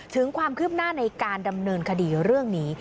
ถึงความคืบหน้าในการดำเนินคดีเรื่องนี้